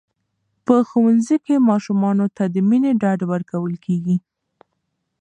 په ښوونځي کې ماشومانو ته د مینې ډاډ ورکول کېږي.